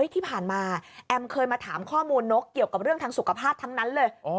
ที่ผ่านมาแอมเคยมาถามข้อมูลนกเกี่ยวกับเรื่องทางสุขภาพทั้งนั้นเลย